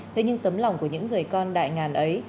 thế nhưng tấm lòng của những người con đại ngàn ấy